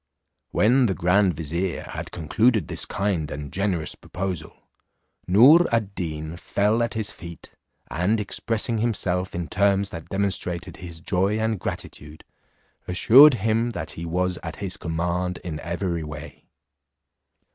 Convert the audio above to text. When the grand vizier had concluded this kind and generous proposal, Noor ad Deen fell at his feet, and expressing himself in terms that demonstrated his joy and gratitude, assured him, that he was at his command in every way.